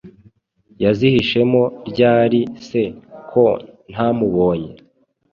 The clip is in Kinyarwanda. Yazihishemo ryari se ko ntamubonye